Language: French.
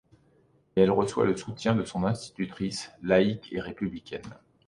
Mais elle reçoit le soutien de son institutrice, laïque et républicaine.